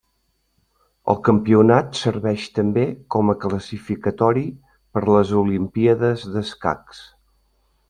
El campionat serveix també com a classificatori per les Olimpíades d'escacs.